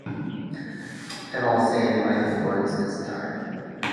And I'll say it in my own words this time.